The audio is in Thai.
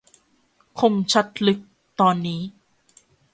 คมชัดลึกตอนนี้